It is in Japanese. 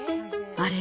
あれ？